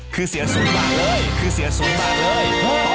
คือเสียสูงมากเลยคือเสียสูงมากเลยโอ้โหต่อเดือนนะฮะ